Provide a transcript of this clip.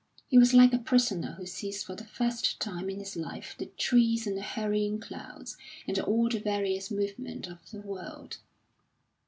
He was like a prisoner who sees for the first time in his life the trees and the hurrying clouds, and all the various movement of the world.